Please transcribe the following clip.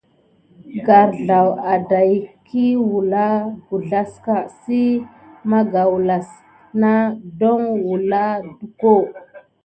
Garzlaw aɗäkiy awula gulaska si magaoula las na don wula duko.